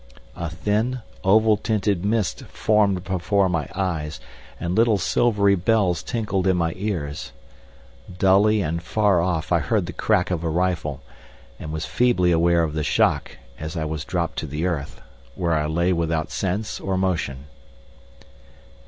A thin, oval tinted mist formed before my eyes and little silvery bells tinkled in my ears. Dully and far off I heard the crack of a rifle and was feebly aware of the shock as I was dropped to the earth, where I lay without sense or motion.